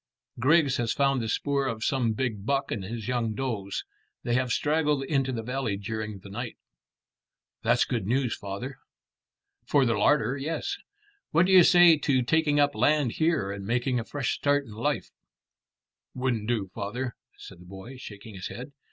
Griggs has found the spoor of some big buck and his young does. They have straggled into the valley during the night." "That's good news, father." "For the larder: yes. What do you say to taking up land here and making a fresh start in life?" "Wouldn't do, father," said the boy, shaking his head.